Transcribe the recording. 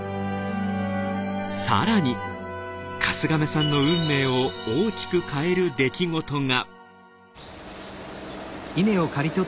さらに春日亀さんの運命を大きく変える出来事が。